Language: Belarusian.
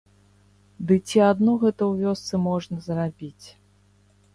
Ды ці адно гэта ў вёсцы можна зрабіць.